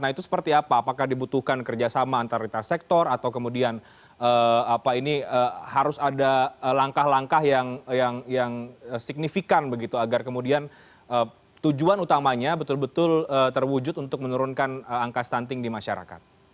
nah itu seperti apa apakah dibutuhkan kerjasama antar lintas sektor atau kemudian harus ada langkah langkah yang signifikan begitu agar kemudian tujuan utamanya betul betul terwujud untuk menurunkan angka stunting di masyarakat